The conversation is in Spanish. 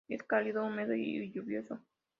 Es cálido húmedo lluvioso.